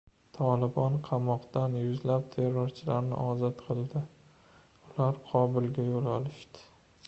"Tolibon" qamoqdan yuzlab terrorchilarni ozod qildi. Ular Kobulga yo‘l olishdi